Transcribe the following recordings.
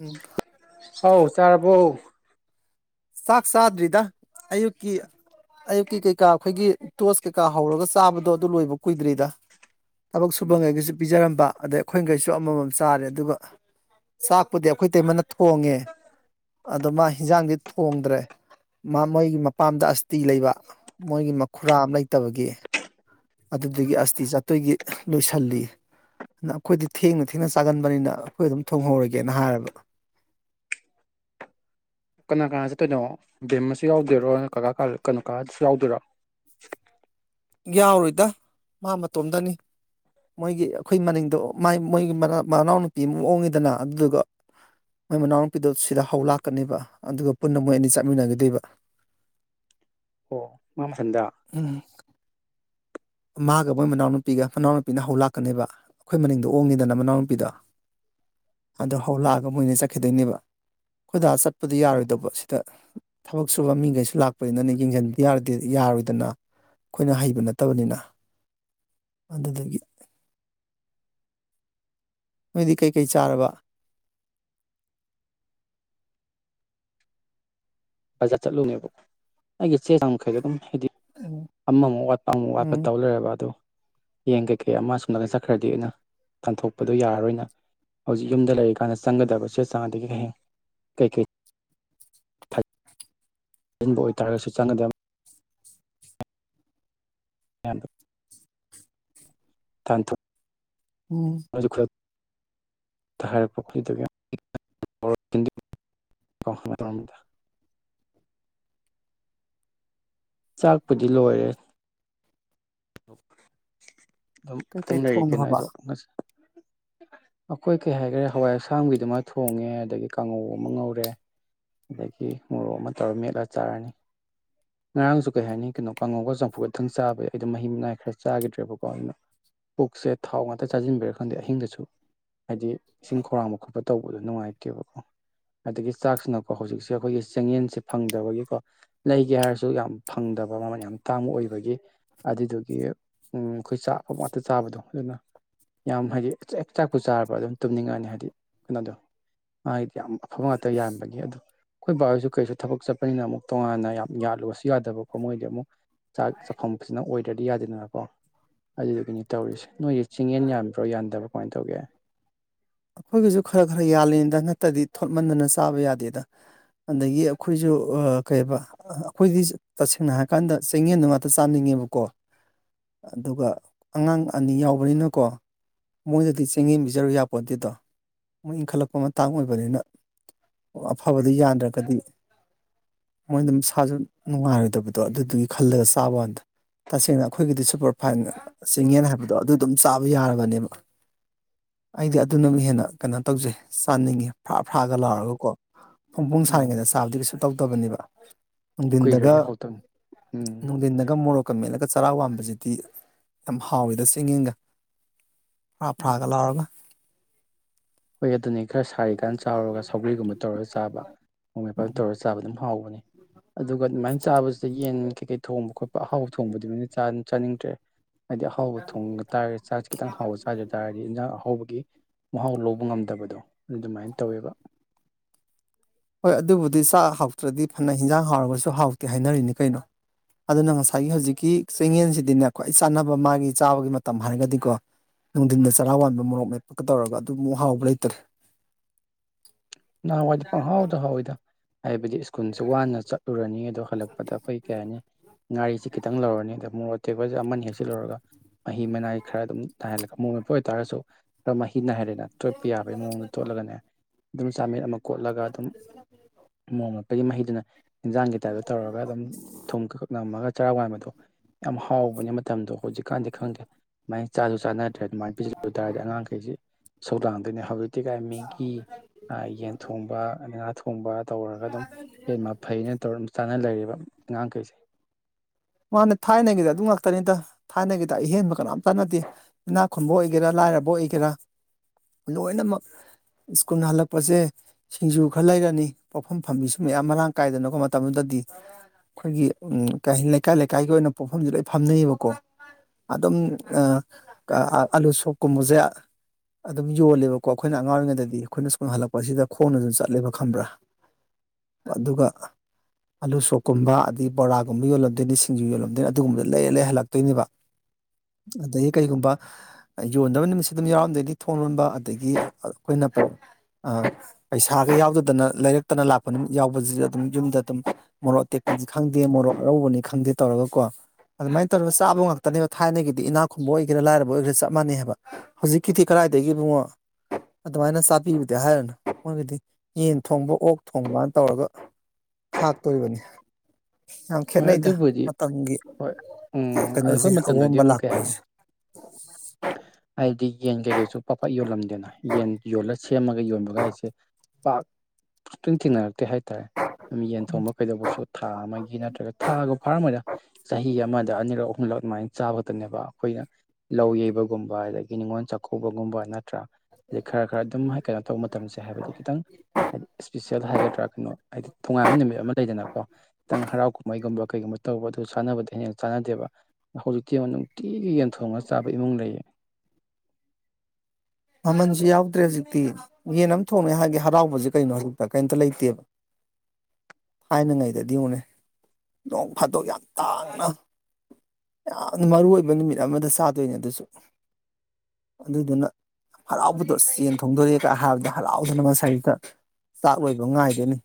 ꯎꯝ ꯍꯥꯎ ꯆꯥꯔꯔꯕꯣ ꯆꯥꯛ ꯆꯥꯗ꯭ꯔꯤꯗ ꯑꯌꯨꯛꯀꯤ ꯑꯌꯨꯛꯀꯤ ꯀꯩꯀꯥ ꯑꯩꯈꯣꯏꯒꯤ ꯇꯣꯁ ꯀꯩꯀꯥ ꯍꯧꯔꯒ ꯆꯥꯕꯗꯣ ꯑꯗꯨ ꯂꯣꯏꯕ ꯀꯨꯏꯗ꯭ꯔꯤꯗ ꯇꯕꯛ ꯁꯨꯕꯉꯁꯨ ꯄꯤꯥꯔꯝ ꯕꯥ ꯑꯗꯩ ꯑꯩꯈꯣꯏꯈꯩꯁꯨ ꯑꯃꯃꯝ ꯆꯥꯔꯦ ꯑꯗꯨꯒ ꯆꯥꯛꯄꯨꯗꯤ ꯑꯩꯈꯣꯏ ꯇꯩꯃꯅ ꯊꯣꯡꯉꯦ ꯑꯗ ꯃꯥ ꯍꯟꯖꯥꯡꯗꯤ ꯊꯣꯡꯗ꯭ꯔꯦ ꯃꯣꯏꯒꯤ ꯃꯄꯥꯝꯗ ꯑꯁꯇꯤ ꯂꯩꯕ ꯃꯣꯏꯒꯤ ꯃꯈꯨꯔꯥ ꯑꯃ ꯂꯩꯇꯕꯒꯤ ꯑꯗꯨꯗꯒꯤ ꯑꯁꯇꯤ ꯆꯥꯇꯣꯏꯒꯤ ꯂꯣꯏꯁꯤꯜꯂꯤ ꯑꯗꯨ ꯑꯩꯈꯣꯏꯗꯤ ꯊꯦꯡꯅ ꯊꯦꯡꯅ ꯆꯥꯒꯟꯕꯅꯤꯅ ꯑꯩꯈꯣꯏ ꯑꯗꯨꯝ ꯊꯣꯡꯍꯧꯔꯒꯦꯅ ꯍꯥꯏꯔꯕ [unintelligible] ꯀꯅꯥ ꯀꯥ ꯆꯠꯇꯣꯏꯅꯣ ꯕꯦꯝ ꯑꯃꯁꯨ ꯌꯥꯎꯗꯣꯏꯔꯣ ꯀꯀꯥ ꯀꯥ ꯀꯅꯥꯣꯀꯥꯗꯁꯨ ꯌꯥꯎꯗꯣꯏꯔꯣ ꯌꯥꯎꯔꯣꯏꯗ ꯃꯥ ꯃꯇꯣꯝꯗꯅꯤ ꯃꯣꯏꯒꯤ ꯑꯩꯈꯣꯏ ꯃꯅꯤꯡꯗꯣ ꯃꯣꯏꯒꯤ ꯃꯅꯥꯎꯅꯨꯄꯤ ꯑꯃ ꯑꯣꯡꯉꯤꯗꯅ ꯑꯗꯨꯗꯨꯒ ꯃꯣꯏ ꯃꯅꯥꯎꯅꯨꯄꯤꯗꯣ ꯁꯤꯗ ꯍꯧ ꯂꯥꯛꯀꯅꯦꯕ ꯑꯗꯨꯒ ꯄꯨꯟꯅ ꯃꯣꯏ ꯑꯅꯤ ꯆꯠꯃꯤꯟꯅꯒꯗꯕ ꯑꯣ ꯃꯥ ꯃꯊꯟꯗ ꯎꯝ ꯃꯥꯒ ꯃꯣꯏ ꯃꯅꯥꯎꯅꯨꯄꯤꯒ ꯃꯅꯥꯎꯅꯨꯄꯤꯅ ꯍꯧ ꯂꯥꯛꯀꯅꯦꯕ ꯑꯩꯈꯣꯏ ꯃꯅꯤꯡꯗ ꯑꯣꯡꯉꯤꯗꯅ ꯃꯅꯥꯎꯅꯨꯄꯤꯗꯣ ꯑꯗꯨ ꯍꯧꯂꯛꯑꯒ ꯃꯣꯏꯅ ꯆꯠꯈꯤꯗꯣꯏꯅꯦꯕ ꯈꯣꯏꯗꯥ ꯆꯠ ꯄꯗꯤ ꯎꯝ ꯌꯥꯔꯣꯏꯗꯧꯕ ꯁꯤꯗ ꯊꯕꯛ ꯁꯨꯕ ꯃꯤꯈꯩꯁꯨ ꯂꯥꯛꯄꯅꯤꯅꯅ ꯌꯦꯡꯁꯤꯟ ꯌꯥꯔꯣꯏꯗꯅ ꯑꯩꯈꯣꯏꯅ ꯍꯩꯕ ꯅꯠꯇꯕꯅꯤꯅ ꯑꯗꯨꯗꯒꯤ ꯅꯣꯏꯗꯤ ꯀꯩꯀꯩ ꯆꯥꯔꯕ ꯕꯖꯥꯔ ꯆꯠꯂꯨꯅꯦꯕꯀꯣ ꯑꯩꯒꯤ ꯆꯦ ꯆꯥꯡ ꯃꯈꯩꯗ ꯑꯗꯨꯝ ꯍꯥꯏꯗꯤ ꯑꯃꯃꯨꯛ ꯋꯥꯠꯄ ꯑꯃꯨꯛ ꯋꯥꯠꯄ ꯎꯝ ꯇꯧ ꯂꯩꯣꯏꯦꯔꯕ ꯑꯗꯨꯗꯣ ꯌꯦꯟ ꯀꯩꯀꯩ ꯑꯃ ꯁꯨꯝꯂꯒ ꯆꯠꯈ꯭ꯔꯗꯤ ꯑꯩꯅ ꯇꯟꯊꯣꯛꯄꯗ ꯌꯥꯔꯔꯣꯏꯅ ꯍꯧꯖꯤꯛ ꯌꯨꯝꯗ ꯂꯩꯔꯤꯀꯥꯟꯗ ꯆꯪꯒꯗꯕ ꯆꯦ ꯆꯥꯡꯗꯒꯤ ꯍꯌꯦꯡ ꯀꯩꯀꯩ ꯆꯟꯕ ꯑꯣꯏꯇꯥꯥꯔꯒꯁꯨ ꯆꯪꯅꯗꯕ ꯊ ꯊꯇꯨ ꯎꯝ ꯔ ꯄꯈ꯭ꯇꯒꯤ ꯗ ꯆꯥꯛꯄꯨꯗꯤ ꯂꯣꯏꯔꯦ ꯑꯗꯨꯝ ꯑꯇꯪ ꯀꯩꯀꯩ ꯂꯩ ꯀꯩꯅ ꯊꯣꯡꯈ꯭ꯔꯕ ꯑꯩꯁꯨ ꯉꯁꯤ ꯑꯩꯈꯣꯏ ꯀꯩ ꯍꯥꯏꯈ꯭ꯔꯦ ꯍꯋꯥꯏ ꯑꯁꯥꯡꯒꯤꯗꯨꯃ ꯊꯣꯡꯉꯦ ꯑꯗꯒꯤ ꯀꯥꯡꯉꯧ ꯑꯃ ꯉꯧꯔꯦ ꯑꯗꯒꯤ ꯃꯣꯔꯣꯛ ꯑꯃ ꯇꯧꯔ ꯃꯦꯠꯂ ꯆꯥꯔꯅꯤ ꯉꯔꯥꯡꯁꯨ ꯀꯩ ꯍꯥꯏꯅꯤ ꯀꯩꯅꯣ ꯀꯥꯡꯉꯧꯒ ꯆꯝꯐꯨ ꯛꯇꯪ ꯆꯥꯕ ꯌꯥꯏ ꯑꯗꯨꯗꯣ ꯃꯍꯤ ꯃꯅꯥꯏ ꯈꯔ ꯆꯥꯈꯤꯗ꯭ꯔꯦꯕꯀꯣ ꯑꯗꯨꯩꯅ ꯄꯨꯛꯁꯦ ꯊꯥꯎ ꯉꯥꯛꯇ ꯆꯥꯁꯤꯟꯕꯤꯔ ꯈꯥꯟꯗꯗꯤ ꯑꯍꯤꯡꯗꯁꯨ ꯍꯥꯏꯗꯤ ꯏꯁꯤꯡ ꯈꯧꯔꯥꯡꯕ ꯈꯣꯠꯄ ꯇꯧꯕꯗꯣ ꯅꯨꯡꯉꯥꯏꯇꯦꯕꯀꯣ ꯑꯗꯒꯤ ꯆꯥꯛꯁꯤꯅꯀꯣ ꯍꯧꯖꯤꯛꯁꯦ ꯑꯩꯈꯣꯏꯒꯤ ꯆꯦꯡꯌꯦꯟꯁꯦ ꯐꯪꯗꯕꯒꯤꯀꯣ ꯂꯩꯒꯦ ꯍꯥꯏꯔꯁꯨ ꯁꯨ ꯌꯥꯝ ꯐꯪꯗꯕ ꯃꯃꯜ ꯌꯥꯝ ꯇꯥꯡꯕ ꯑꯣꯏꯕꯒꯤ ꯑꯗꯨꯗꯨꯒꯤ ꯎꯝ ꯑꯩꯈꯣꯏ ꯆꯥꯕ ꯉꯥꯛꯇ ꯆꯥꯕꯗꯣ ꯑꯗꯨꯅ ꯌꯥꯝ ꯍꯥꯏꯗꯤ ꯆꯥꯛꯄꯨ ꯆꯥꯔꯕ ꯑꯗꯨꯝ ꯇꯨꯝꯅꯤꯡꯉꯅꯤ ꯍꯥꯏꯗꯤ ꯀꯩꯅꯣꯗꯣ ꯗꯤ ꯌꯥꯝ ꯑꯐꯕ ꯉꯥꯛꯇ ꯌꯥꯕꯒꯤ ꯑꯗꯨ ꯑꯩꯈꯣꯏ ꯕꯥꯣꯏꯁꯨ ꯀꯩꯁꯨ ꯊꯕꯛ ꯆꯠꯄꯅꯤꯅ ꯑꯃꯨꯛ ꯇꯣꯉꯥꯟꯅ ꯌꯥꯝ ꯌꯥꯠꯂꯨꯨꯔꯁꯦ ꯁꯨ ꯌꯥꯗꯕꯀꯣ ꯃꯣꯏꯗꯤ ꯑꯃꯨꯛ ꯆꯥꯛ ꯆꯥꯐꯝꯕꯁꯤꯅ ꯑꯣꯏꯗ꯭ꯔꯗꯤ ꯌꯥꯗꯦꯗꯅꯀꯣ ꯑꯗꯨꯗꯨꯒꯤꯅꯤ ꯇꯧꯔꯤꯁꯦ ꯅꯣꯏꯁꯦ ꯆꯤꯡꯌꯦꯟ ꯌꯥꯕ꯭ꯔꯣ ꯌꯥꯟꯗꯕ꯭ꯔꯣ ꯀꯃꯥꯏꯅ ꯇꯧꯒꯦ ꯑꯩꯈꯣꯏꯒꯤꯁꯨ ꯈꯔ ꯈꯔ ꯌꯥꯜꯂꯤꯦꯗ ꯅꯠꯇ꯭ꯔꯗꯤ ꯊꯣꯠꯃꯟꯗꯅ ꯆꯥꯕ ꯌꯥꯗꯦꯗ ꯑꯗꯒꯤ ꯑꯩꯈꯣꯏꯁꯨ ꯀꯩꯕ ꯑꯩꯈꯣꯏꯗꯤ ꯇꯁꯦꯡꯅ ꯍꯥꯏꯔꯀꯥꯟꯗ ꯆꯦꯡꯌꯦꯟꯗ ꯉꯥꯛꯇ ꯆꯥꯅꯤꯡꯉꯤ ꯕꯀꯣ ꯑꯗꯨꯒ ꯑꯉꯥꯡ ꯑꯅꯤ ꯌꯥꯎꯕꯅꯤꯅꯀꯣ ꯃꯣꯏꯗꯗꯤ ꯆꯦꯡꯌꯦꯦꯝ ꯄꯤꯖꯔꯨ ꯌꯥ ꯄꯣꯠꯇꯗꯣ ꯃꯨꯛ ꯏꯟꯈꯠꯂꯛꯄ ꯃꯇꯥꯡ ꯑꯣꯏꯕꯅꯤꯅ ꯑꯐꯕꯗꯤ ꯌꯥꯗ꯭ꯔꯒꯗꯤ ꯃꯣꯏ ꯑꯗꯨꯝ ꯁꯥꯁꯨ ꯅꯨꯡꯉꯥꯏꯔꯣꯏꯗꯕꯗꯣ ꯑꯗꯨꯗꯨꯒꯤ ꯈꯜꯂꯒ ꯆꯥꯕ ꯀꯥꯟꯗ ꯇꯁꯦꯡꯅ ꯑꯩꯈꯣꯏꯒꯤꯗꯤ ꯁꯨꯄꯔ ꯐꯥꯏꯟ ꯆꯤꯡꯌꯦꯦꯟ ꯍꯥꯏꯕꯗꯣ ꯑꯗꯨ ꯑꯗꯨꯝ ꯆꯥꯕ ꯌꯥꯔꯕꯅꯦꯕ ꯑꯩꯗꯤ ꯑꯗꯨ ꯅꯪ ꯍꯦꯟ ꯩꯅꯣꯧ ꯆꯥ ꯐ ꯐ ꯂꯔꯒ ꯎꯝ ꯁꯥꯔꯤꯉꯩ ꯆꯥ ꯇꯧꯗꯕꯅꯦꯕ ꯅꯨꯡꯊꯤꯟꯗꯒ ꯀꯨꯏꯈ꯭ꯔꯗꯤ ꯍꯧꯇꯕꯅꯤ ꯎꯝ ꯅꯨꯡꯊꯤꯟꯗꯒ ꯃꯣꯔꯣꯛ ꯀꯝ ꯃꯠꯂꯒ ꯆꯔꯥ ꯋꯥꯝꯕꯁꯤꯗꯤ ꯌꯥꯝ ꯍꯥꯎꯋꯦꯗ ꯆꯦꯡꯌꯦꯡꯒ ꯐꯔꯥ ꯐꯔꯥꯒ ꯂꯥꯎꯔꯒ ꯍꯣꯏ ꯑꯗꯨꯅꯤ ꯈꯔ ꯁꯥꯔꯤꯀꯥꯟ ꯆꯥꯎꯔꯒ ꯁꯧꯒ꯭ꯔꯤꯒꯨꯝꯕ ꯇꯧꯔꯒ ꯆꯥꯕ ꯃ ꯃꯄꯥꯜ ꯇꯧꯔꯒ ꯆꯥꯕ ꯑꯗꯨꯝ ꯍꯥꯎꯕꯅꯤ ꯑꯗꯨꯒ ꯑꯗꯨꯃꯥꯏꯅ ꯆꯥꯕꯁꯤꯗ ꯌꯦꯟ ꯀꯩꯀꯩ ꯊꯣꯡꯕ ꯈꯣꯠꯄ ꯑꯍꯥꯎ ꯊꯣꯡꯕꯗꯨꯃꯥꯏꯅ ꯆꯥꯅꯤꯡꯗ꯭ꯔꯦ ꯍꯥꯏꯗꯤ ꯑꯍꯥꯎꯕ ꯊꯣꯡꯕ ꯇꯥꯔꯗꯤ ꯆꯥꯔꯖ ꯈꯤꯇꯪ ꯍꯥꯎꯕ ꯆꯥꯖ ꯇꯥꯔꯗꯤ ꯏꯟꯖꯥꯡ ꯑꯍꯥꯎꯕꯒꯤ ꯃꯍꯥꯎ ꯂꯧꯕ ꯇ ꯉꯝꯗꯕꯗꯣ ꯑꯗꯨ ꯑꯗꯨꯃꯥꯏꯅ ꯇꯧꯋꯦꯕ ꯍꯣꯏ ꯑꯗꯨꯕꯨꯗꯤ ꯆꯥꯛ ꯍꯥꯎꯇ꯭ꯔꯗꯤ ꯐꯅ ꯍꯤꯟꯖꯥꯡ ꯍꯥꯎꯔꯒꯁꯨ ꯍꯥꯎꯇꯦ ꯍꯥꯏꯅꯔꯤꯅꯤ ꯀꯩꯅꯣ ꯑꯗꯨꯅ ꯉꯁꯥꯏꯒꯤ ꯍꯧꯖꯤꯛꯀꯤ ꯆꯌꯦꯟꯁꯤꯗꯤꯅꯦ ꯈ꯭ꯋꯥꯏ ꯆꯥꯅꯕ ꯃꯥꯒꯤ ꯆꯥꯕꯒꯤ ꯃꯇꯝ ꯍꯥꯏꯔꯒꯗꯤꯀꯣ ꯅꯨꯡꯊꯤꯟꯗ ꯆꯔꯥ ꯋꯥꯟꯕ ꯃꯣꯔꯣꯛ ꯃꯦꯞꯄꯒ ꯇꯧꯔꯒ ꯑꯗꯨ ꯑꯃꯨꯛ ꯍꯥꯎꯕ ꯂꯩꯇ꯭ꯔꯦ ꯅꯋꯥꯏꯗꯤ ꯄ ꯍꯥꯎꯗ ꯍꯥꯎꯏꯗ ꯍꯥꯏꯕꯗꯤ ꯁ꯭ꯀꯨꯜꯁꯦ ꯋꯥꯅ ꯆꯠꯂꯨꯔꯅꯤ ꯑꯗꯣ ꯍꯜꯂꯛꯄꯗ ꯑꯩꯈꯣꯏ ꯀꯩ ꯍꯥꯏꯅꯤ ꯉꯥꯔꯤꯁꯤꯦ ꯈꯤꯇꯪ ꯂꯧꯔꯅꯤꯗ ꯃꯣꯔꯣꯛ ꯑꯇꯦꯛꯄꯁꯦ ꯑꯃꯅ ꯍꯦꯛꯆꯜꯂꯨꯔꯒ ꯃꯍꯤ ꯃꯅꯥꯏꯒꯤ ꯈꯔ ꯑꯗꯨꯝ ꯅꯥꯍꯜꯂꯒ ꯃꯣꯏ ꯃꯄ ꯑꯣꯏꯇꯥꯔꯁꯨ ꯈꯔ ꯃꯍꯤ ꯅꯥꯏꯜꯔ ꯇꯣꯠꯄ ꯌꯥꯕꯒꯤ ꯃꯑꯣꯡꯗ ꯇꯣꯠꯂꯒꯅꯦ ꯑꯗꯨꯝ ꯆꯥꯃꯤꯠ ꯑꯃ ꯀꯣꯠꯂꯒ ꯑꯗꯨꯝ ꯃꯑꯣꯗ ꯒꯤ ꯃꯍꯤꯗꯨꯅ ꯏꯟꯖꯥꯡꯒꯤ ꯇꯥꯏꯞꯇ ꯇꯧꯔꯒ ꯑꯗꯨꯝ ꯊꯨꯝꯛ ꯅꯝꯃꯒ ꯆꯔꯥ ꯋꯥꯥꯟꯕꯗꯣ ꯌꯥꯝ ꯍꯥꯎꯕꯅꯦ ꯃꯇꯝꯗꯣ ꯍꯧꯖꯤꯛꯀꯥꯟꯗꯤ ꯈꯪꯗꯦ ꯃꯥꯏꯅ ꯆꯥꯁꯨ ꯆꯥꯅꯔ ꯑꯗꯨꯃꯥꯏꯅ ꯄꯤꯁꯤꯜꯂꯨ ꯇꯥꯔꯗꯤ ꯑꯉꯥꯡꯈꯩꯁꯤ ꯁꯧꯗꯥꯥꯡꯗꯣꯏꯅꯤ ꯍꯧꯖꯤꯛꯇꯤ ꯀꯥꯏ ꯃꯤꯒꯤ ꯌꯦꯟ ꯊꯣꯡꯕ ꯉꯥ ꯊꯣꯡꯕ ꯇꯧꯔꯒ ꯑꯗꯨꯝ ꯌꯦꯟ ꯐꯩꯅ ꯇꯧꯔ ꯆꯥꯅ ꯂꯩꯔꯕ ꯑꯉꯥꯡꯈꯩꯁꯦ ꯃꯥꯅꯦ ꯊꯥꯏꯅꯒꯤꯗ ꯑꯗꯨꯝ ꯉꯥꯛꯇꯅꯤꯇ ꯊꯥꯏꯅꯒꯤꯗ ꯑꯍꯦꯟꯕ ꯀꯅꯥꯝ ꯆꯠꯅꯗꯦ ꯏꯅꯥꯛ ꯈꯨꯟꯕ ꯑꯣꯏꯒꯦꯔꯥ ꯂꯥꯏꯔꯕ ꯑꯣꯏꯒꯦꯔꯥ ꯂꯣꯏꯅꯃꯛ ꯁ꯭ꯀꯨꯜ ꯍꯜꯂꯛꯄꯁꯦ ꯁꯤꯡꯖꯨ ꯈꯔ ꯂꯩꯔꯅꯤ ꯄꯣꯛꯐꯝ ꯐꯝꯕꯤꯁꯨ ꯃꯌꯥꯝ ꯃꯔꯥꯡ ꯀꯥꯏꯗꯅꯀꯣ ꯃꯇꯝꯗꯨꯗ ꯗꯤ ꯑꯩꯈꯣꯏꯒꯤ ꯎ ꯂꯩꯀꯥꯏ ꯂꯩꯀꯥꯏꯒꯤ ꯑꯣꯏꯅ ꯄꯣꯛꯐꯝꯁꯦ ꯂꯣꯏ ꯐꯝꯅꯩꯌꯦꯕꯀꯣ ꯑꯗꯨꯝ ꯑꯂꯨ ꯁꯣꯛꯀꯨꯝꯕꯁꯦ ꯑꯗꯨꯝ ꯌꯣꯜꯂꯦꯕꯀꯣ ꯑꯩꯈꯣꯏꯅ ꯑꯉꯥꯡ ꯑꯣꯏꯔꯤꯉꯩꯗꯗꯤ ꯑꯩꯈꯣꯏꯅ ꯁ꯭ꯀꯨꯜ ꯍꯜꯂꯛꯄꯁꯤꯗ ꯈꯣꯡꯅꯁꯨ ꯆꯠꯂꯦꯕ ꯈꯝꯕ꯭ꯔꯥ ꯑꯗꯨꯒ ꯑꯂꯨ ꯁꯣꯛꯀꯨꯝꯕ ꯑꯗꯩ ꯕꯣꯔꯥꯒꯨꯝꯕ ꯌꯣꯜꯂ ꯑꯗꯤ ꯖꯨ ꯌꯣꯜꯂꯝꯗꯣꯏꯅꯤ ꯑꯗꯨꯒꯨꯝꯕꯗ ꯂꯩꯔ ꯂꯩ ꯍꯜꯂꯛꯇꯣꯏꯅꯦꯕ ꯑꯗꯒꯤ ꯀꯔꯤꯒꯨꯝꯕ ꯌꯣꯟꯗꯕ ꯅꯨꯃꯤꯠꯁꯤ ꯑꯗꯨꯝ ꯌꯥꯎꯔꯝꯩꯗꯤ ꯊꯣꯡ ꯂꯣꯟꯕ ꯑꯗꯒꯤ ꯑꯩꯈꯣꯏꯅ ꯍꯥꯄ꯭ꯔꯣ ꯑ ꯄꯩꯁꯥꯒ ꯌꯥꯎꯗꯗꯅ ꯂꯩꯔꯛꯇꯅ ꯂꯥꯛꯄꯅ ꯌꯥꯎꯕꯁꯤꯁꯨ ꯑꯗꯨꯝ ꯌꯨꯝꯗ ꯑꯗꯨꯝ ꯃꯣꯔꯣꯛ ꯑꯇꯦꯛ ꯈꯪꯗꯦ ꯃꯣꯔꯣꯛ ꯑꯔꯧꯕꯅꯤ ꯈꯪꯗꯦ ꯇꯧꯔꯒ ꯀꯣ ꯑꯗꯨꯃꯥꯏꯅ ꯇꯧꯔꯒ ꯆꯥꯕ ꯉꯥꯛꯇꯅꯦꯕ ꯊꯥꯏꯅꯒꯤꯗꯤ ꯏꯅꯥꯛ ꯈꯨꯨꯝꯕ ꯑꯣꯏꯒꯦꯔꯥ ꯂꯥꯏꯔꯕ ꯑꯣꯏꯒꯦꯔꯥ ꯆꯞ ꯃꯥꯟꯩꯑꯕ ꯍꯧꯖꯤꯛꯀꯤꯗꯤ ꯀ ꯀꯋꯥꯏꯗꯒꯤꯕꯨꯡꯉꯣ ꯑꯗꯨꯃꯥꯏꯅ ꯆꯥꯕꯤꯕꯗꯤ ꯍꯥꯏꯔꯨꯅꯨ ꯃꯣꯏꯒꯤꯗꯤ ꯌꯦꯟ ꯊꯣꯡꯕ ꯑꯣꯛ ꯊꯣꯡꯕꯅ ꯇꯧꯔꯒ ꯊꯥꯛꯇꯣꯏꯕꯅꯤ ꯌꯥꯝ ꯍꯣꯏ ꯈꯦꯠꯅꯩꯗ ꯑꯗꯨꯕꯨꯗꯤ ꯃꯇꯝꯒꯤ ꯍꯣꯏ ꯎꯝ ꯀꯩꯅꯣꯁꯦ ꯑꯑꯣꯡꯕ ꯂꯥꯛꯄ ꯍꯥꯏꯁꯦ ꯑꯩꯗꯤ ꯌꯦꯡꯖ ꯀ ꯁ ꯄꯥꯛꯄꯥꯛꯠ ꯌꯣꯜꯂꯝꯗꯦꯅ ꯌꯦꯟ ꯌꯣꯜꯂ ꯁꯦꯝꯃꯒ ꯌꯣꯟꯕꯒ ꯍꯥꯏꯁꯦ ꯄꯥꯛ ꯇꯤꯟꯅꯔꯦ ꯍꯥꯏ ꯍꯥꯏꯔꯦ ꯌꯦꯟ ꯊꯣꯡꯕ ꯀꯩꯗꯧꯕꯁꯨ ꯊꯥ ꯑꯃꯒꯤ ꯅꯠꯇ꯭ꯔꯒ ꯊꯥꯒ ꯐꯥꯔꯝꯗ ꯆꯍꯤ ꯆꯍꯤ ꯑꯃꯗ ꯑꯅꯤꯔꯛ ꯑꯍꯨꯝꯂꯛ ꯑꯗꯨꯃꯥꯏꯅ ꯆꯥꯕꯛꯇꯅꯦꯕ ꯑꯩꯈꯣꯏꯅ ꯂꯧ ꯌꯩꯕꯒꯨꯝꯕ ꯑꯗꯒꯤ ꯅꯤꯉꯣꯜ ꯆꯥꯛꯀꯧꯕ ꯒꯨꯝꯕ ꯅꯠꯇ꯭ꯔꯥ ꯑꯩ ꯈꯔ ꯈꯔ ꯑꯗꯨꯝ ꯀꯩꯅꯣ ꯇꯧꯕ ꯃꯇꯝꯁꯦ ꯍꯥꯏꯕꯗꯤ ꯈꯤꯇꯪ ꯍꯥꯏꯗꯤ ꯏꯁꯄꯤꯁꯦꯜ ꯍꯥꯏꯒꯗ꯭ꯔꯥ ꯀꯩꯅꯣ ꯍꯥꯏꯗꯤ ꯇꯣꯉꯥꯟꯕ ꯅꯨꯃꯤꯠ ꯑꯃ ꯂꯩꯗꯅꯀꯣ ꯈꯤꯇꯪ ꯍꯔꯥꯎ ꯃꯩꯒꯨꯝꯕ ꯀꯩꯒꯨꯝꯕ ꯇꯧꯕ ꯑꯗꯨ ꯆꯥꯟꯅꯕꯗ ꯍꯦꯟꯅ ꯆꯥꯟꯅꯗꯦꯕ ꯍꯧꯖꯤꯛꯇꯤ ꯅꯨꯡꯇꯤ ꯑꯩꯒꯤ ꯌꯦꯟꯊꯣꯡꯉ ꯆꯥꯕ ꯏꯃꯨꯡ ꯂꯩꯌꯦ ꯃꯃꯟꯁꯨ ꯌꯥꯎꯗ꯭ꯔꯦ ꯍꯧꯖꯤꯛꯇꯤ ꯌꯦꯟ ꯑꯃ ꯊꯣꯡꯉꯦ ꯍꯥꯏꯒꯦ ꯍꯔꯥꯎꯕꯁꯦ ꯀꯩꯅꯣ ꯍꯧꯖꯤꯛꯇ ꯀꯩꯝꯇ ꯂꯩꯇꯦꯕ [unintelligible] ꯊꯥꯏꯅꯉꯩꯗꯗꯤ ꯑꯃꯨꯛꯅꯦ ꯅꯣꯡ ꯐꯥꯠꯇꯣꯛ ꯌꯥꯝ ꯇꯥꯡꯅ ꯌꯥꯝꯅ ꯃꯔꯨ ꯑꯣꯏꯕ ꯅꯨꯃꯤꯠ ꯑꯃꯗ ꯆꯥꯗꯣꯏꯅꯦ ꯑꯗꯨꯁꯨ ꯑꯗꯨꯗꯨꯅ ꯍꯔꯥꯎꯕꯗꯣ ꯆꯦꯟ ꯊꯣꯡꯗꯣꯔꯛꯑꯦ ꯀ ꯍꯥꯏꯕꯗ ꯍꯔꯥꯎꯗꯅ ꯃꯁꯥꯏꯗ ꯆꯥꯛ ꯂꯣꯏꯕ ꯉꯥꯏꯒꯅꯤ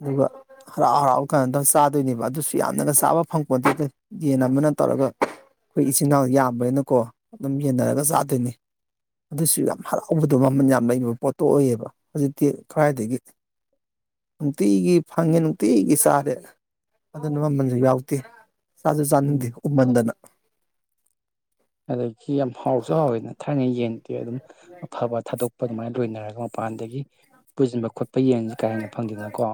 ꯑꯗꯨꯒ ꯍꯔꯥꯎ ꯍꯔꯥꯎ ꯀꯥꯟꯅꯗ ꯆꯥꯗꯣꯏꯅꯦꯕ ꯑꯗꯨꯁꯨ ꯌꯥꯝꯅꯒ ꯆꯥꯕ ꯐꯪ ꯄꯣꯟꯗꯗ ꯌꯦꯦꯟ ꯑꯃꯅ ꯇꯧꯔ ꯑꯗꯨꯒ ꯑꯩꯈꯣꯏ ꯏꯆꯤꯟꯜ ꯏꯅꯥꯎ ꯌꯥꯝꯕ꯭ꯔꯅꯀꯣ ꯑꯗꯨꯝ ꯌꯦꯟꯅꯔꯒ ꯆꯥꯗꯣꯏꯅꯤ ꯑꯗꯨꯁꯨ ꯌꯥꯝ ꯍꯔꯥꯎꯕꯗꯣ ꯃꯃꯜ ꯌꯥꯝ ꯂꯩꯕ ꯄꯣꯠꯇꯣ ꯑꯣꯏꯌꯦꯕ ꯍꯧꯖꯤꯛꯇꯤ ꯈꯔꯏꯗꯒꯤ ꯅꯨꯡꯇꯤꯒꯤ ꯐꯪꯉꯦ ꯅꯨꯡꯇꯤꯒꯤ ꯆꯥꯔꯦ ꯑꯗꯨꯅ ꯃꯃꯜꯁꯨ ꯌꯥꯎꯗꯦ ꯆꯥꯁꯨ ꯎꯝ ꯆꯥꯅꯤꯡꯗꯦ ꯎꯃꯟꯗꯅ ꯑꯗꯒꯤ ꯌꯥꯝ ꯍꯥꯎꯁꯨ ꯍꯥꯎꯋꯦꯅ ꯊꯥꯏꯅ ꯌꯦꯟ ꯑꯗꯨꯝ ꯑꯐꯕ ꯊꯥꯗꯣꯛꯄ ꯑꯗꯨꯃꯥꯏꯅ ꯂꯣꯏꯅꯔꯒ ꯃꯄꯥꯟꯗꯒꯤ ꯄꯨꯁꯤꯟꯕ ꯈꯣꯠꯄ ꯌꯦꯟꯁꯤ ꯀꯥ ꯍꯦꯟꯅ ꯐꯪꯗꯦꯅꯀꯣ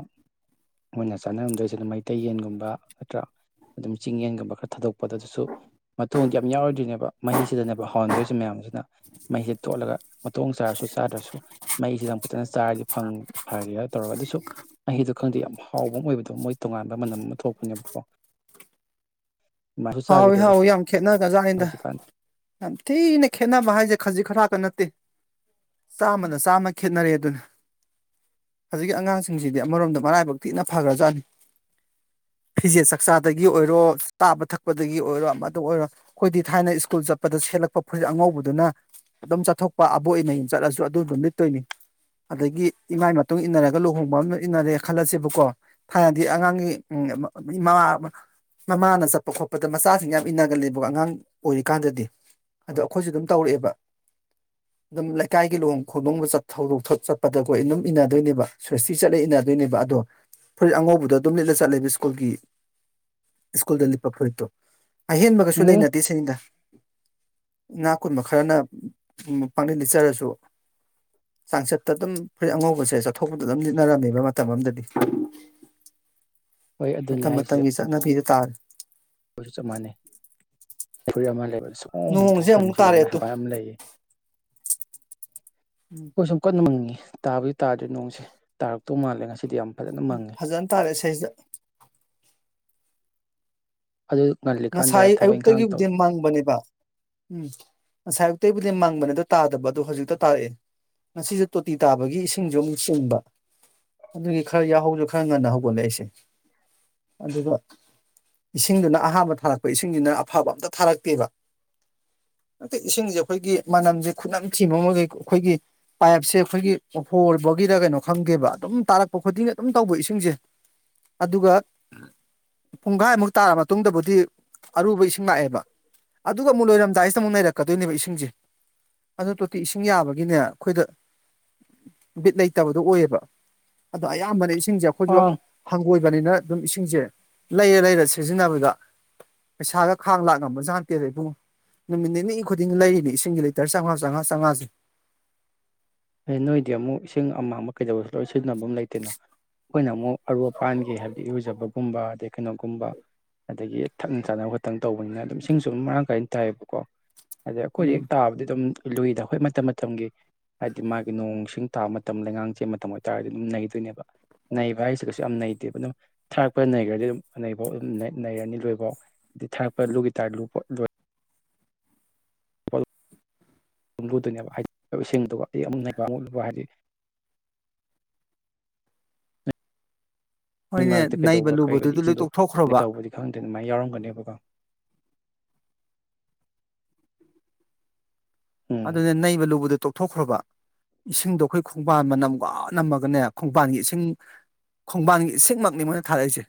ꯃꯣꯏꯅ ꯆꯥꯅꯔꯝꯗꯣꯏꯁꯤꯗ ꯃꯩꯇꯩ ꯌꯦꯟꯒꯨꯝꯕ ꯅꯠꯇ꯭ꯔꯥ ꯑꯗꯨꯝ ꯆꯤꯡ ꯌꯦꯟꯒꯨꯝꯕ ꯈꯔ ꯊꯥꯗꯣꯛꯄꯗ ꯑꯗꯨꯁꯨ ꯃꯣꯡꯗꯤ ꯌꯥꯝ ꯌꯥꯎꯔꯣꯏꯗꯣꯏꯔꯤꯅꯦ ꯃꯍꯤꯁꯤꯗꯅꯦꯕ ꯍꯧꯥꯎꯍꯟꯗꯣꯏꯁꯦ ꯃꯌꯥꯝꯁꯤꯅ ꯃꯍꯤꯁꯤꯦ ꯊꯣꯠꯂꯒ ꯃꯇꯣꯡ ꯆꯥꯔꯁꯨ ꯆꯥꯗ꯭ꯔꯁꯨ ꯃꯍꯩꯤꯁꯤꯗꯪ ꯐꯖꯅ ꯆꯥꯔꯗꯤ ꯐꯔꯦ ꯇꯧꯔꯒ ꯑꯗꯨꯁꯨ ꯃꯍꯤꯗꯨ ꯈꯪꯗꯦ ꯌꯥꯝ ꯍꯥꯎꯕ ꯑꯃ ꯑꯣꯏꯕꯗꯣ ꯃꯣꯏ ꯇꯣꯉꯥꯟꯕ ꯃꯅꯝ ꯑꯃ ꯊꯣꯛꯄꯅꯦꯕꯀꯣ ꯑꯗꯨꯃꯥꯏꯁꯨ ꯍꯥꯎꯋꯤ ꯆꯥꯈꯤꯗ꯭ꯔꯦꯗ ꯍꯥꯎꯋꯏ ꯌꯥꯝ ꯈꯦꯠꯅꯒꯖꯥꯠ ꯑꯗ ꯍꯧꯖꯤꯛꯀꯥꯟ ꯌꯥꯝ ꯊꯤꯅ ꯈꯦꯠꯅꯕ ꯍꯥꯏꯁꯦ ꯈꯖꯤꯛ ꯈꯔꯇ ꯅꯠꯇꯦ ꯆꯥꯝꯃꯅ ꯆꯥꯝꯃ ꯈꯦꯅꯔꯦ ꯑꯗꯨꯅ ꯍꯧꯖꯤꯛ ꯑꯉꯥꯡꯁꯤꯡꯁꯤꯗꯤ ꯑꯃꯔꯣꯝꯗ ꯃꯔꯥꯏꯕꯛ ꯊꯤꯅ ꯐꯈ꯭ꯔꯖꯥꯠꯅꯤ ꯐꯤꯖꯦꯠ ꯆꯥꯛꯆꯥꯗꯒꯤ ꯑꯣꯏꯔꯣ ꯆꯥꯕ ꯊꯛꯄ ꯄꯗꯒꯤ ꯑꯣꯏꯔꯣ ꯑꯃꯗ ꯑꯣꯏꯔꯣ ꯑꯩꯈꯣꯏꯗꯤ ꯊꯥꯏꯅ ꯁ꯭ꯀꯨꯜ ꯆꯠꯄꯗ ꯁꯦꯠꯂꯛꯄ ꯐ ꯑꯉꯧꯕꯗꯨꯅ ꯑꯗꯨꯝ ꯆꯠꯊꯣꯛꯄ ꯑꯕꯣꯛꯅꯨꯝ ꯆꯠꯂꯁꯨ ꯑꯗꯨꯗꯨꯝ ꯂꯤꯠꯇꯣꯏꯅꯤ ꯑꯗꯒꯤ ꯏꯃꯥꯏ ꯃꯇꯨꯡ ꯏꯟꯅꯔꯒ ꯂꯨꯍꯣꯡꯕ ꯑꯃ ꯏꯟꯅꯔꯦ ꯈꯜꯂꯁꯦꯕꯀꯣ ꯊꯥꯏꯅꯗꯤ ꯑꯉꯥꯡꯒꯤ ꯎ ꯃ ꯃꯃꯥꯅ ꯆ ꯈꯣꯠꯄꯗ ꯃꯆꯥꯁꯤꯡ ꯌꯥꯝ ꯏꯟꯅꯒꯂꯦꯕꯀꯣ ꯑꯉꯥꯡ ꯑꯣꯏꯔꯤꯀꯥꯟꯗꯗꯤ ꯑꯗ ꯑꯩꯈꯣꯏꯁꯨ ꯑꯗꯨꯝ ꯇꯧꯔꯛꯑꯦꯕ ꯑꯗꯨꯝ ꯂꯩꯀꯥꯏꯒꯤ ꯂꯨꯍꯣꯡ ꯈꯣꯡꯗꯣꯡꯕ ꯊꯧꯗꯣꯛ ꯆꯠꯄꯗꯈꯣꯏ ꯑꯗꯨꯝ ꯏꯅꯟꯅꯗꯣꯏꯅꯦꯕ ꯁ꯭ꯋꯁꯇꯤ ꯆꯠꯂꯒ ꯏꯅꯗꯣꯏꯅꯦꯕ ꯑꯗꯣ ꯐꯣꯔ ꯑꯉꯧꯕꯗ ꯑꯗꯨꯝ ꯂꯤꯠꯂ ꯆꯠꯂꯦꯕ ꯁ꯭ꯀꯨꯜꯒꯤ ꯁ꯭ꯀꯨꯜꯗ ꯐꯨꯔꯤꯠꯇꯣ ꯑꯍꯦꯟꯕꯒꯁꯨ ꯎꯝ ꯂꯩꯅꯗꯦ ꯁꯅꯤꯗ ꯉꯥ ꯀꯨꯟꯕ ꯈꯔꯅ ꯄꯥꯡꯅꯤꯡ ꯂꯤꯠꯆꯔꯁꯨ ꯆꯥꯡꯆꯠꯇ ꯑꯗꯨꯝ ꯐꯨꯔꯤ ꯑꯉꯧꯕꯁꯦ ꯆꯠꯊꯣꯛꯄꯗ ꯑꯗꯨꯝ ꯂꯤꯠꯅꯔꯝꯃꯦꯕ ꯃꯇꯝ ꯑꯃꯗꯗꯤ ꯍꯣꯏ ꯑꯗꯨꯅꯤ ꯃꯇꯝ ꯍꯥꯏꯁꯦ ꯃꯇꯝꯒꯤ ꯆꯠꯅꯕꯤꯗ ꯇꯥꯔꯦ ꯑꯩꯈꯣꯏꯁꯨ ꯆꯞ ꯃꯥꯟꯅꯩ ꯐꯨ ꯑꯃ ꯂꯩꯕ ꯑꯁꯗ ꯅꯣꯡꯁꯦ ꯑꯩꯈꯣꯏ ꯑꯃꯨꯛ ꯅꯨꯡꯁꯤ ꯇꯥꯔꯛꯑꯦ ꯇꯨ ꯃꯕ ꯑꯃ ꯂꯩꯌꯦ ꯑꯩꯣꯏ ꯁꯨꯝ ꯀꯟꯅ ꯃꯪꯉꯤ ꯇꯥꯕꯨꯗꯤ ꯇꯥꯗ꯭ꯦ ꯅꯣꯡꯁꯦ ꯇꯥꯔꯛꯇꯧ ꯃꯥꯜꯂꯦ ꯉꯁꯤꯗꯤ ꯌꯥꯝ ꯐꯖꯅ ꯎꯝ ꯃꯪꯉꯦ ꯐꯖꯅ ꯇꯥꯔꯦ ꯏꯁꯩꯗ ꯑꯗꯨ ꯉꯜꯂꯤꯀꯥꯟꯗ ꯉꯁꯥꯏ ꯊꯕꯛ ꯏꯪꯈꯥꯡ ꯇꯧ ꯑꯌꯨꯛꯇꯒꯤꯕꯨꯗꯤ ꯃꯪꯕꯅꯦꯕ ꯎꯝ ꯉꯁꯥꯏ ꯑꯌꯨꯛꯇꯒꯤꯕꯨ ꯃꯪꯕꯅꯦꯗ ꯇꯥꯗꯕ ꯑꯗꯨꯗꯣ ꯍꯧꯖꯤꯛꯇ ꯇꯥꯔꯑꯦ ꯉꯁꯤꯁꯦ ꯇꯣꯇꯤ ꯇꯥꯕꯒꯤ ꯏꯁꯤꯡꯁꯨ ꯑꯃꯨꯛ ꯆꯦꯟꯕ ꯑꯗꯨꯒꯤ ꯈꯔ ꯌꯥꯍꯧꯁꯨ ꯈꯔ ꯉꯟꯅ ꯍꯧꯒꯠꯂꯦ ꯑꯩꯁꯦ ꯑꯗꯨꯒ ꯏꯁꯤꯡꯗꯨꯅ ꯑꯍꯥꯥꯟꯕ ꯊꯥꯔꯛꯄ ꯏꯁꯤꯡꯁꯤꯅ ꯑꯐꯕ ꯑꯝꯇ ꯊꯥꯔꯛꯇꯦꯕ ꯍ ꯏꯁꯤꯡꯁꯦ ꯑꯩꯈꯣꯏꯒꯤ ꯃꯅꯝꯁꯦ ꯈꯨꯠꯅꯝ ꯊꯤꯕ ꯑꯃꯒꯩ ꯑꯩꯈꯣꯏꯒꯤ ꯄꯥꯏꯞꯁꯦ ꯑꯩꯈꯣꯏꯒꯤ ꯑꯣꯐꯣꯔꯕꯒꯤꯗ ꯀꯩꯅꯣ ꯈꯪꯗꯦꯕ ꯑꯗꯨꯝ ꯇꯥꯔꯛꯄ ꯈꯨꯗꯤꯡꯅ ꯑꯗꯨꯝ ꯇꯧꯕ ꯏꯁꯤꯡꯁꯦ ꯑꯗꯨꯒ ꯄꯨꯡꯈꯥꯏꯃꯨꯛ ꯇꯥꯔ ꯃꯇꯨꯡꯗꯕꯨꯗꯤ ꯑꯔꯨꯕ ꯏꯁꯤꯡ ꯂꯥꯛꯑꯦꯕ ꯑꯗꯨꯒ ꯑꯃꯨꯛ ꯂꯣꯏꯔꯝꯗꯥꯏꯁꯤꯗ ꯑꯃꯨꯛ ꯅꯔꯛꯀꯗꯣꯏꯅꯦꯕ ꯏꯁꯤꯡꯁꯦ ꯑꯗꯨ ꯇꯣꯇꯤ ꯏꯁꯤꯡ ꯌꯥꯕꯒꯤꯅꯦ ꯑꯩꯈꯣꯏꯗ ꯕꯤꯠ ꯂꯩꯇꯕꯗꯣ ꯑꯣꯏꯌꯦꯕ ꯑꯗꯣ ꯑꯌꯥꯝꯕꯅ ꯏꯁꯤꯡꯁꯦ ꯑꯩꯈꯣꯏꯁꯨ ꯑꯥ ꯍꯪꯒꯣꯏꯕꯅꯤꯅ ꯑꯗꯨꯝ ꯏꯁꯤꯡꯁꯦ ꯂꯩꯔ ꯂꯩꯔ ꯁꯤꯖꯤꯟꯅꯕꯗ ꯄꯩꯁꯥꯒ ꯈꯥꯡ ꯂꯥꯛꯂꯝꯝꯕꯖ ꯉꯇꯦꯗ ꯏꯕꯨꯡꯉ ꯅꯨꯃꯤꯠ ꯅꯤꯅꯤꯅꯤ ꯈꯨꯗꯤꯡ ꯂꯩꯔꯤꯅꯤ ꯏꯁꯤꯡꯒꯤ ꯂꯤꯇꯔ ꯆꯥꯝꯃꯉꯥ ꯆꯥꯝꯃꯉꯥ ꯆꯥꯝꯃꯉꯥꯁꯦ ꯑꯦ ꯅꯣꯏꯗꯤ ꯑꯃꯨꯛ ꯏꯁꯤꯡ ꯑꯃꯥꯡ ꯑꯃ ꯀꯩꯗꯧꯕꯁꯨ ꯂꯣꯏ ꯁꯤꯖꯤꯟꯅꯕ ꯑꯃ ꯂꯩꯇꯦꯅ ꯑꯩꯈꯣꯏꯅ ꯑꯃꯨꯛ ꯑꯔꯨꯕꯄꯥꯟꯒꯦ ꯍꯥꯏꯕꯗꯤ ꯏꯔꯨꯖꯕꯒꯨꯝꯕ ꯑꯗꯩ ꯀꯩꯅꯣꯒꯨꯝꯕ ꯑꯗꯒꯤ ꯊꯛꯅ ꯆꯥꯅꯕ ꯈꯛꯇꯪ ꯇꯧꯕꯅꯤꯅ ꯑꯗꯨꯝ ꯏꯁꯤꯡꯁꯨ ꯑꯗꯨꯝ ꯃꯔꯥꯡ ꯀꯥꯏꯅ ꯇꯥꯏꯌꯦꯕꯀꯣ ꯑꯗ ꯑꯩꯈꯣꯏꯗꯤ ꯍꯦꯛ ꯎꯝ ꯇꯥꯕꯗꯤ ꯑꯗꯨꯝ ꯂꯨꯏꯗ ꯑꯩꯈꯣꯏ ꯃꯇꯝ ꯃꯇꯝꯒꯤ ꯍꯥꯏꯗꯤ ꯃꯥꯒꯤ ꯅꯣꯡꯁꯤꯡ ꯊꯥꯕ ꯃꯇꯝ ꯂꯩꯉꯥꯡꯁꯦ ꯃꯇꯝ ꯑꯣꯏꯇꯥꯔꯗꯤ ꯑꯗꯨꯝ ꯅꯩꯗꯣꯏꯅꯦꯕ ꯅꯩꯕ ꯍꯥꯏꯁꯤꯒꯁꯨ ꯌꯥꯝ ꯅꯩꯇꯦꯕ ꯑꯗꯨꯝ ꯊꯥꯔꯛꯄ ꯅꯩꯈ꯭ꯔꯗꯤ ꯑꯗꯨꯝ ꯅꯩꯐꯥꯎ ꯑꯗꯨꯝ ꯅꯩꯔꯅꯤ ꯂꯣꯏꯐꯥꯎ ꯊꯥꯔꯛꯄ ꯂꯨꯒꯤ ꯇꯥꯔ ꯂꯨ ꯂꯣꯏ [unintelligible] ꯂꯨꯝꯕꯨꯗꯨꯅꯦꯕ ꯍꯥꯏꯗꯤ ꯏꯁꯤꯡꯗꯨꯒ ꯑꯩ ꯑꯃꯨꯛꯕ ꯑꯃꯨꯛꯂꯨꯕ ꯍꯥꯏꯗꯤ [unintelligible] ꯍꯣꯏꯅꯦ ꯃꯔꯛꯇ ꯅꯩꯕ ꯀꯩꯗꯧꯕ ꯀꯩꯗꯤ ꯂꯨꯕꯗꯨꯗꯤ ꯂꯣꯏ ꯏꯁꯤꯡꯗꯣ ꯇꯣꯛꯊꯣꯛꯈ꯭ꯔꯣꯕ ꯇꯧꯕꯗꯤ ꯈꯪꯗꯦ ꯃ ꯌꯥꯎꯔ ꯃꯅꯦꯕꯒ ꯎꯝ ꯑꯗꯨꯅ ꯅꯩꯕ ꯂꯨꯕꯗ ꯇꯣꯛꯊꯣꯛꯈ꯭ꯔꯕ ꯏꯁꯤꯡꯗꯣ ꯑꯩꯈꯣꯏ ꯈꯣꯡꯕꯥꯟ ꯃꯅꯝꯒ ꯅꯝꯃꯒꯅꯦ ꯈꯣꯡꯕꯥꯟꯒꯤ ꯏꯁꯤꯡ ꯈꯣꯡꯕꯥꯟꯒꯤ ꯏꯁꯤꯡꯃꯛꯅꯤ ꯃꯣꯏꯅ ꯊꯥꯔꯛꯏꯁꯦ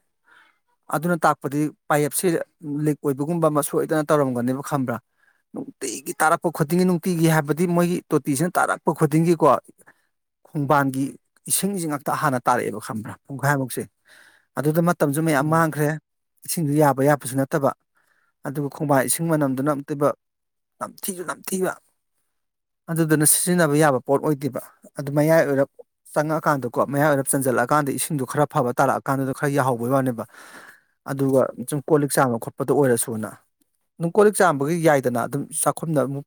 ꯑꯗꯨꯅ ꯇꯥꯛꯄꯗꯤ ꯄꯥꯏꯞꯁꯦ ꯂꯤꯛ ꯑꯣꯏꯕꯒꯨꯝꯕ ꯑꯃ ꯁꯣꯏꯗꯅ ꯇꯧꯔꯝꯒꯅꯦꯕ ꯈꯕ꯭ꯔꯥ ꯇꯩꯒꯤ ꯇꯥꯄ ꯈꯣꯠꯇꯉ ꯇꯣꯇꯤꯒꯤ ꯍꯥꯏꯕꯗꯤ ꯃꯣꯏꯒꯤ ꯇꯣꯇꯤꯁꯤꯅ ꯇꯥꯔꯛꯄ ꯈꯨꯗꯤꯡꯒꯤꯀꯣ ꯈꯣꯡꯕꯥꯟꯒꯤ ꯏꯁꯤꯡꯁꯤ ꯉꯥꯛꯇ ꯍꯥꯟꯅ ꯇꯥꯔꯛꯑꯦꯕ ꯈꯕ꯭ꯔꯥ ꯄꯨꯡꯈꯥꯏꯃꯨꯛꯁꯦ ꯑꯗꯨꯗ ꯃꯇꯝꯁꯨ ꯃꯌꯥꯝ ꯎꯝ ꯃꯥꯡꯈ꯭ꯔꯦ ꯏꯁꯤꯡꯗꯨ ꯌꯥꯕ ꯌꯥꯄꯁꯨ ꯅꯠꯇꯕ ꯑꯗꯨꯒ ꯈꯣꯡꯕꯥꯏ ꯏꯁꯤꯡ ꯃꯅꯝꯗꯨꯅ ꯑꯝꯇꯤꯕ ꯅꯝꯊꯤꯁꯨ ꯅꯝꯊꯤꯕ ꯑꯗꯨꯗꯨꯅ ꯁꯤꯖꯤꯟꯅꯕ ꯌꯥꯕ ꯄꯣꯠ ꯑꯣꯏꯗꯦꯕ ꯑꯗꯨ ꯃꯌꯥꯏ ꯑꯣꯏꯔꯞ ꯆꯪꯉꯀꯥꯟꯗꯀꯣ ꯃꯌꯥꯏ ꯑꯣꯏꯔꯞ ꯆꯟꯖꯜꯂꯛꯒ ꯀꯥꯟꯗ ꯏꯁꯤꯡꯗꯣ ꯈꯔ ꯐꯕ ꯇꯥꯔꯛꯑꯀꯥꯟꯗꯨꯗ ꯈꯔ ꯌꯥꯍꯧꯕꯩ ꯋꯥꯅꯦꯕ ꯑꯗꯨꯒ ꯁꯨꯝ ꯀꯣꯜ ꯂꯤꯛ ꯆꯥꯕ ꯈꯣꯠꯄꯗ ꯑꯣꯏꯔꯁꯨꯅ ꯅꯨꯡ ꯀꯣꯜꯂꯛ ꯆꯥꯝꯕꯒꯤ ꯌꯥꯏꯗꯅ ꯑꯗꯨꯝ ꯆꯥꯛꯈꯨꯝꯅꯕ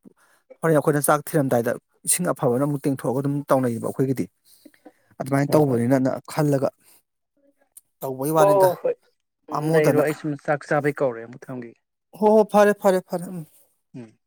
ꯍꯣꯔꯦꯟ ꯑꯩꯈꯣꯏꯅ ꯆꯥꯛ ꯊꯤꯔꯝꯗꯥꯏꯗ ꯏꯁꯤꯡ ꯑꯐꯕꯅ ꯑꯃꯨꯛ ꯇꯦꯡꯊꯣꯛꯑꯒ ꯑꯗꯨꯝ ꯇꯧꯅꯩꯌꯦꯕ ꯑꯩꯈꯣꯏꯒꯤꯗꯤ ꯑꯗꯨꯃꯥꯏꯅ ꯍꯣꯏ ꯍꯣꯏ ꯇꯧꯕꯅꯤꯅ ꯅ ꯈꯜꯂꯒ ꯇꯧꯕꯒꯤ ꯋꯥꯅꯤꯗ ꯍꯣꯏ ꯍꯣꯏ ꯎꯝ ꯂꯩꯔꯣ ꯑꯃꯃꯣꯗꯅ ꯑꯩ ꯁꯨꯝ ꯆꯥꯛ ꯆꯥꯕꯩ ꯀꯧꯔꯦ ꯑꯃꯨꯛ ꯊꯝꯈꯤꯒꯦ ꯍꯣ ꯍꯣ ꯐꯔꯦ ꯐꯔꯦ ꯐꯔꯦ ꯎꯝ ꯎꯝ